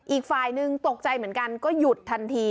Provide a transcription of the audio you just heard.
อีกฝ่ายหนึ่งตกใจเหมือนกันก็หยุดทันที